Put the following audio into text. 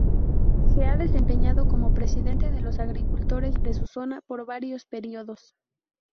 Se ha desempeñado como presidente de los agricultores de su zona por varios periodos.